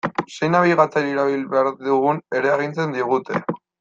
Zein nabigatzaile erabili behar dugun ere agintzen digute.